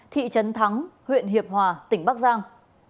thị trấn thắng huyện hiệp hòa tỉnh bắc giang